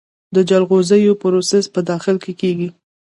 د جلغوزیو پروسس په داخل کې کیږي؟